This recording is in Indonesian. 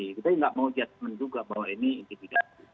kita juga tidak mau jatuhkan juga bahwa ini intimidasi